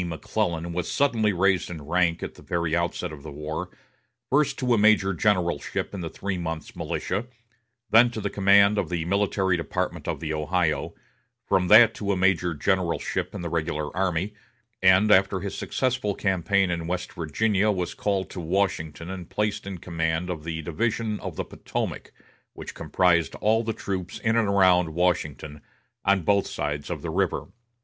McClellan was suddenly raised in rank, at the very outset of the war, first to a major generalship in the three months' militia, then to the command of the military department of the Ohio; from that to a major generalship in the regular army; and after his successful campaign in West Virginia was called to Washington and placed in command of the Division of the Potomac, which comprised all the troops in and around Washington, on both sides of the river.